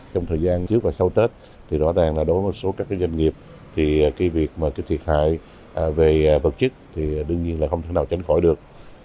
trong thời gian trước và sau tết thì rõ ràng là đối với một số các doanh nghiệp thì cái việc mà cái thiệt hại về vật chức thì đương nhiên là không thể nào tránh khỏi được